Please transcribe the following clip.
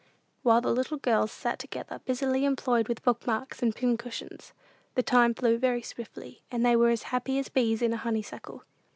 While the little girls sat together busily employed with book marks and pin cushions, the time flew very swiftly, and they were as happy as bees in a honeysuckle.